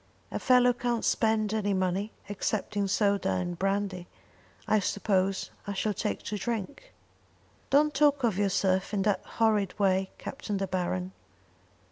A fellow can't spend any money, except in soda and brandy. I suppose I shall take to drink." "Don't talk of yourself in that horrid way, Captain De Baron."